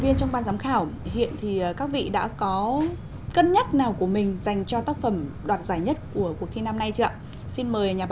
hiện trên màn hình thì chúng ta đang còn bảy tác phẩm ảnh trên màn hình